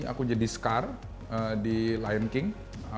aku jadi scar di lion king